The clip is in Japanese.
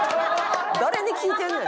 誰に聞いてんねん！